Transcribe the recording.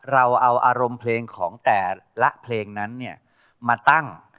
เราเอาอารมณ์เพลงของแต่ละเพลงนั้นมาตั้ง